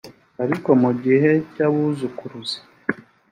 ariko mu gihe cy’abuzukuruza